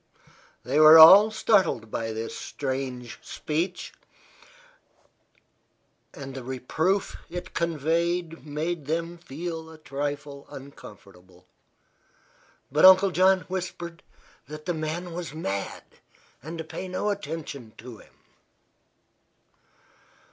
They were all startled by this strange speech, and the reproof it conveyed made them a trifle uncomfortable; but Uncle John whispered that the man was mad, and to pay no attention to him.